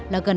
là một đồng